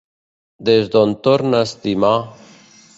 Des d’on tornar a estimar